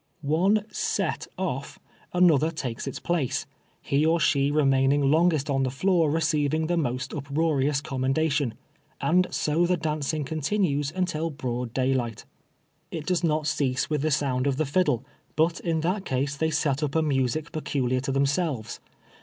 One " set" off, another takes its place, he or she re maining longest on the floor receiving the most up roarious commendation, and so the dancing continues until broad daylight. It does not cease with the sound of the fiddle, but in that case they set up a mn sic peculiar to themselves.